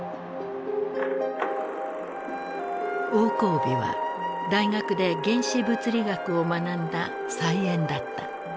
王光美は大学で原子物理学を学んだ才媛だった。